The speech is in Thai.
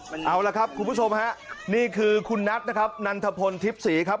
เอาละครับคุณผู้ชมฮะนี่คือคุณนัทนะครับนันทพลทิพย์ศรีครับ